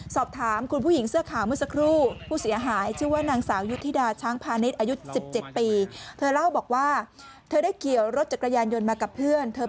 สอบถามคุณผู้หญิงเสื้อข่าวเมื่อสักครู่